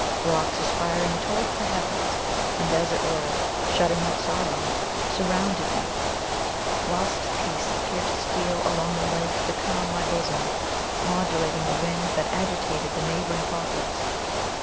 Rocks aspiring towards the heavens, and, as it were, shutting out sorrow, surrounded me, whilst peace appeared to steal along the lake to calm my bosom, modulating the wind that agitated the neighbouring poplars.